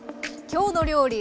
「きょうの料理」